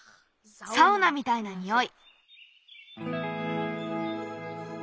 サウナみたいなにおい。